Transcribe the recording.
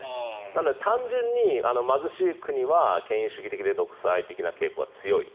なので、単純に貧しい国は権威主義的で独裁的な傾向が強い。